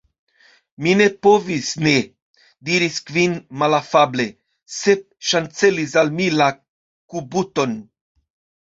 "Mi ne povis ne," diris Kvin malafable. "Sep ŝancelis al mi la kubuton."